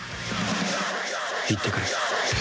行ってくる。